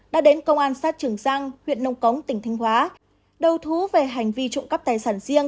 đã đến công an xã trường giang huyện nông cống tỉnh thánh hóa đầu thú về hành vi trụng cấp tài sản riêng